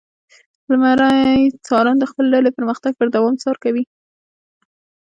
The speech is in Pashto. لمری څارن د خپلې ډلې پرمختګ پر دوام څار کوي.